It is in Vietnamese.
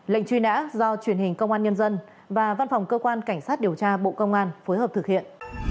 lệnh truy nã do truyền hình công an nhân dân và văn phòng cơ quan cảnh sát điều tra bộ công an phối hợp thực hiện